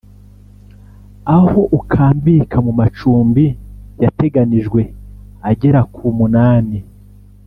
aho ukambika mu macumbi yateganijwe agera ku munani